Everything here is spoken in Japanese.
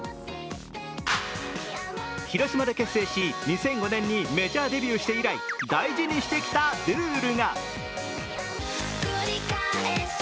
広島で結成し、２００５年にメジャーデビューして以来、大事にしてきたルールが。